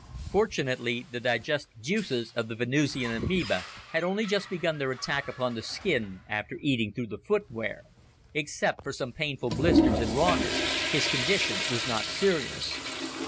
Fortunately the digestive juices of the Venusian amoeba had only just begun their attack upon the skin after eating through the footgear. Except for some painful blisters and rawness, his condition was not serious.